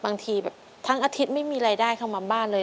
บางทีแบบทั้งอาทิตย์ไม่มีรายได้เข้ามาบ้านเลย